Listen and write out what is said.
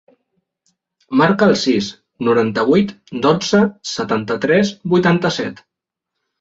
Marca el sis, noranta-vuit, dotze, setanta-tres, vuitanta-set.